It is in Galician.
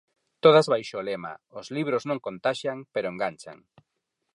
Todas baixo o lema Os libros non contaxian, pero enganchan.